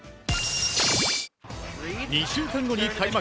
２週間後に開幕